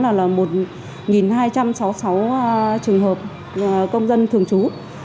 là một hai trăm sáu mươi sáu trường hợp công dân thường trú